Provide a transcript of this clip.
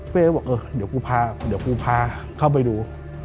บอกเออเดี๋ยวกูพาเดี๋ยวกูพาเข้าไปดู